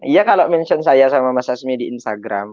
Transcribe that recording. iya kalau mention saya sama mas asmi di instagram